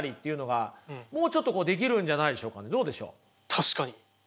確かに。